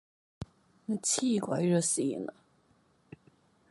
你黐鬼咗線呀？